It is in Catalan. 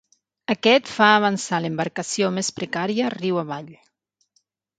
Aquest fa avançar l'embarcació més precària riu avall.